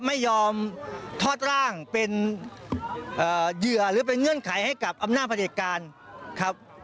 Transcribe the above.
ไม่ยอมทอดร่างเป็นเหยื่อหรือเป็นเงื่อนไขให้กับอำนาจประเด็จการครับ